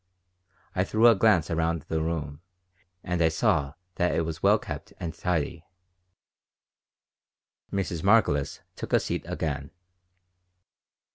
I threw a glance around the room and I saw that it was well kept and tidy Mrs. Margolis took a seat again.